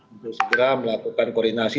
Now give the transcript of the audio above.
untuk segera melakukan koordinasi